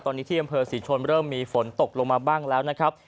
ตอนนี้ที่อำเภอศรีชนเริ่มมีฝนตกลงมาบ้างแล้วนะครับ